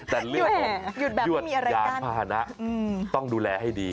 แต่เลือดยวดยานพาหนะต้องดูแลให้ดี